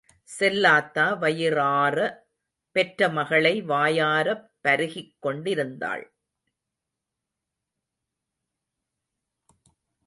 செல்லாத்தா வயிறாற பெற்ற மகளை வாயாரப் பருகிக் கொண்டிருந்தாள்.